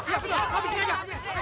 iya betul habisin aja